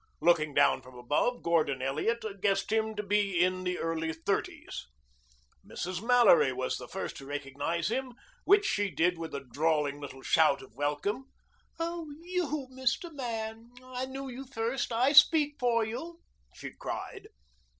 Looking down from above, Gordon Elliot guessed him to be in the early thirties. Mrs. Mallory was the first to recognize him, which she did with a drawling little shout of welcome. "Oh you, Mr. Man. I knew you first. I speak for you," she cried.